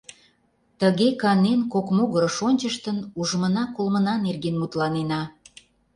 Тыге, канен, кок могырыш ончыштын, ужмына-колмына нерген мутланена.